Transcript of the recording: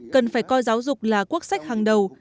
cần phải coi giáo dục là quốc sách hàng đầu